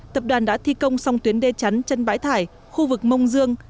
tập đoàn đã thi công song tuyến đê chắn chân bãi thải khu vực mông dương